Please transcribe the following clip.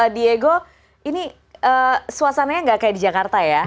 diego ini suasananya nggak kayak di jakarta ya